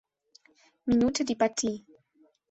Minute die Partie.